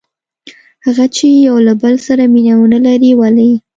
هغه چې یو له بل سره مینه ونه لري؟ ولې؟